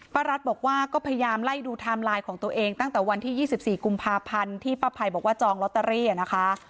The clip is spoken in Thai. รัฐบอกว่าก็พยายามไล่ดูไทม์ไลน์ของตัวเองตั้งแต่วันที่๒๔กุมภาพันธ์ที่ป้าภัยบอกว่าจองลอตเตอรี่นะคะ